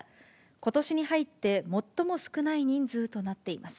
ことしに入って最も少ない人数となっています。